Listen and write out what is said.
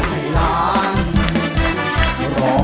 สวัสดีครับ